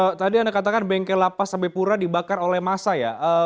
oke tadi anda katakan bengkel lapas abe pura dibakar oleh massa